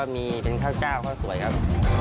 มีข้าวเจ้าเค้าสวยครับ